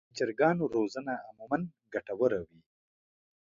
د چرګانو روزنه عموماً ګټه وره وي.